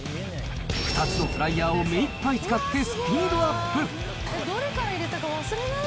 ２つのフライヤーを目いっぱい使ってスピードアップ。